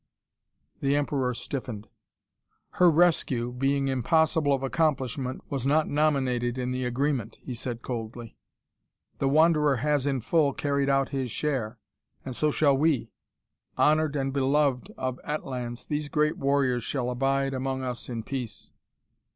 The Emperor stiffened. "Her rescue, being impossible of accomplishment, was not nominated in the agreement," he said coldly. "The Wanderer has in full carried out his share and so shall we. Honored and beloved of Atlans, these great warriors shall abide among us in peace."